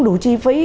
đủ chi phí